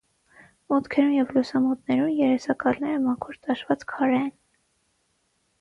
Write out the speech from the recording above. Մուտքերուն եւ լուսամուտներուն երեսակալները մաքուր տաշուած քարէ են։